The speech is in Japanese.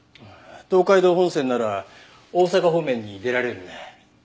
東海道本線なら大阪方面に出られるね。